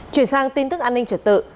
chuyển sang tin tức an ninh trật tự